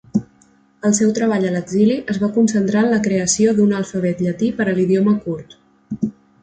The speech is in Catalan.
El seu treball a l'exili es va concentrar en la creació d'un alfabet llatí per a l'idioma kurd.